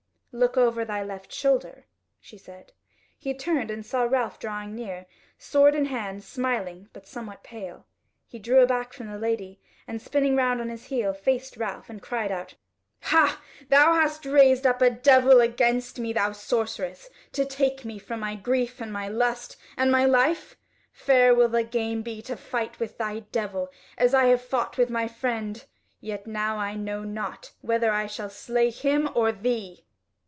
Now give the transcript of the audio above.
"Look over thy left shoulder," she said. He turned, and saw Ralph drawing near, sword in hand, smiling, but somewhat pale. He drew aback from the Lady and, spinning round on his heel, faced Ralph, and cried out: "Hah! Hast thou raised up a devil against me, thou sorceress, to take from me my grief and my lust, and my life? Fair will the game be to fight with thy devil as I have fought with my friend! Yet now I know not whether I shall slay him or thee."